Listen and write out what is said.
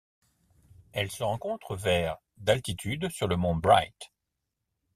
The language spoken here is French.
Elle se rencontre vers d'altitude sur le mont Bright.